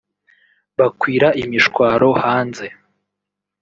bakwira imishwaro hanze